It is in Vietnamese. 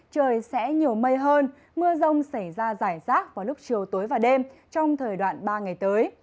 trời sẽ nhiều mây hơn mưa rông xảy ra giải rác vào lúc chiều tối và đêm trong thời đoạn ba ngày tới